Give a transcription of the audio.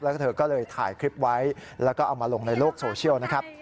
แล้วก็เธอก็เลยถ่ายคลิปไว้แล้วก็เอามาลงในโลกโซเชียลนะครับ